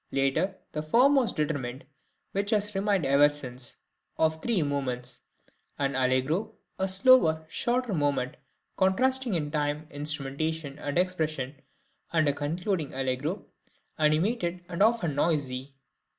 Later, the form was determined which has remained ever since, of three movements: an allegro, a slower, shorter movement contrasting in time, instrumentation, and expression, and a concluding allegro, animated and often noisy.